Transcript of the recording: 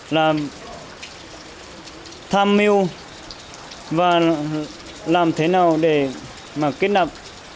làm tham mưu và làm thế nào để mà kết nập